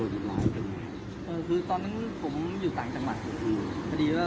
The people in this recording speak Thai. ตอนนี้กำหนังไปคุยของผู้สาวว่ามีคนละตบ